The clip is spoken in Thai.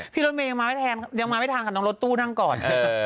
พี่รถเมย์ยังมาไม่ทานกับน้องรถตู้ทั้งก่อน